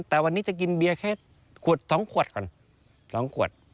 แต่วันนี้จะกินเบียร์แค่๒ขวดก่อน